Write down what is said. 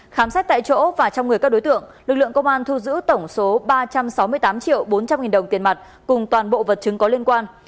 khám xét tại chỗ và trong người các đối tượng lực lượng công an thu giữ tổng số ba trăm sáu mươi tám triệu bốn trăm linh nghìn đồng tiền mặt cùng toàn bộ vật chứng có liên quan